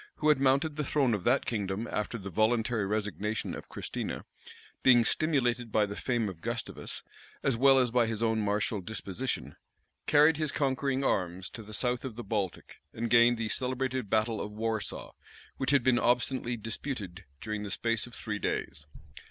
who had mounted the throne of that kingdom after the voluntary resignation of Christina, being stimulated by the fame of Gustavus, as well as by his own martial disposition, carried his conquering arms to the south of the Baltic, and gained the celebrated battle of Warsaw, which had been obstinately disputed during the space of three days.